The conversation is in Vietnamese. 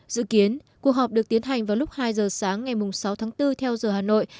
dự kiến cuộc họp được tiến hành vào lúc hai giờ sáng ngày sáu tháng bốn theo giờ hà nội